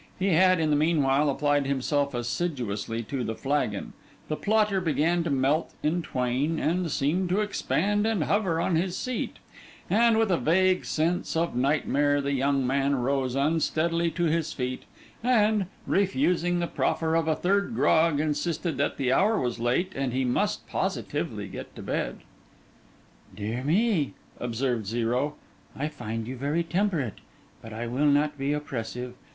He had, in the meanwhile, applied himself assiduously to the flagon; the plotter began to melt in twain, and seemed to expand and hover on his seat; and with a vague sense of nightmare, the young man rose unsteadily to his feet, and, refusing the proffer of a third grog, insisted that the hour was late and he must positively get to bed. 'Dear me,' observed Zero, 'I find you very temperate. But I will not be oppressive.